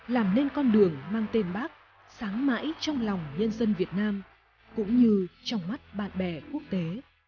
làm nên con đường mang tên bác sáng mãi trong lòng nhân dân việt nam cũng như trong mắt bạn bè quốc tế